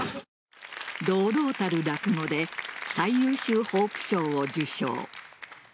堂々たる落語で最優秀ホープ賞を受賞。